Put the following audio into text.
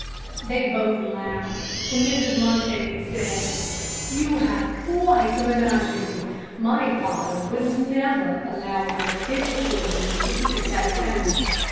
They both laughed, and Mrs. Montague said: "You have quite a menagerie. My father would never allow one of his children to keep a pet animal.